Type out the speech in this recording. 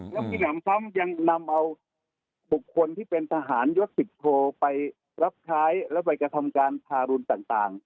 และพินามซ้ำยังนำเอาบุคคลที่เป็นทหารยศสิทธิโครไปรับคล้ายและไปกระทำการภารุนต่าง